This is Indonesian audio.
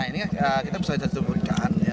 nah ini kan kita bisa lihat